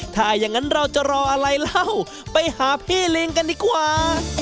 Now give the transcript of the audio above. ถ้าอย่างนั้นเราจะรออะไรเล่าไปหาพี่ลิงกันดีกว่า